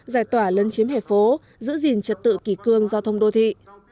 giải tỏa lân chiếm hệ phố giữ gìn trật tự kỷ cương giao thông đô thị